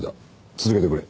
続けてくれ。